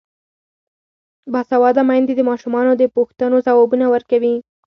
باسواده میندې د ماشومانو د پوښتنو ځوابونه ورکوي.